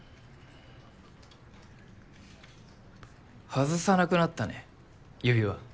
外さなくなったね指輪。